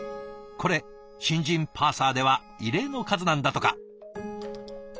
これ新人パーサーでは異例の数なんだとか。